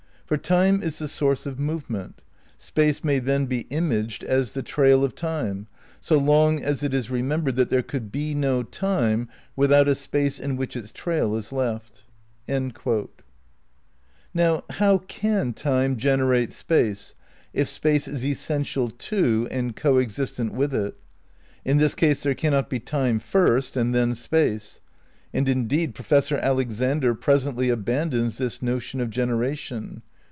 For Time is the source of movement. Space may then be imaged as the trail of Time, so long as it is remembered that there could be no Time without a Space in which its trail is left." ' Now, how can Time generate Space if Space is es sential to and coexistent with it? In this case there cannot be Time first and then Space. And indeed Professor Alexander presently abandons this notion of generation.